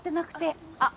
あっ？